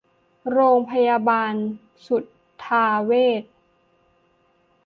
โรงพยาบาลสุทธาเวช